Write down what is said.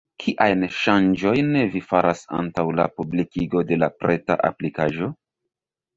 Kiajn ŝanĝojn vi faras antaŭ la publikigo de la preta aplikaĵo?